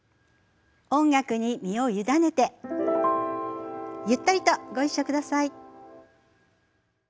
音楽に身を委ねてゆったりとご一緒ください。